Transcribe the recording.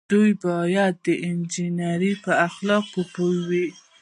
دوی باید د انجنیری په اخلاقو پوه وي.